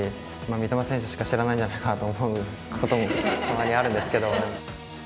三笘選手しか知らないんじゃないかってこともたまにあるんですけど。